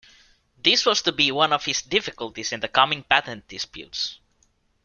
This was to be one of his difficulties in the coming patent disputes.